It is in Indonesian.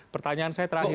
pertanyaan saya terakhir